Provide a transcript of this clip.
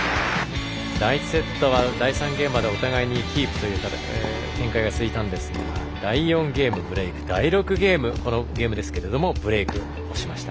第１セットは第３ゲームまでお互いにキープという展開が続いたんですが第４ゲーム、ブレーク第６ゲーム、ブレークしました。